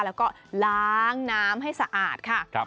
แล้วก็ล้างน้ำให้สะอาดค่ะ